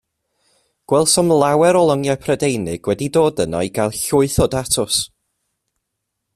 Gwelsom lawer o longau Prydeinig wedi dod yno i gael llwyth o datws.